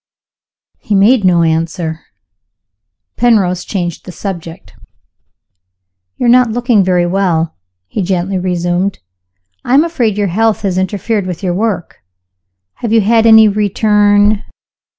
He made no answer. Penrose changed the subject. "You are not looking very well," he gently resumed. "I am afraid your health has interfered with your work. Have you had any return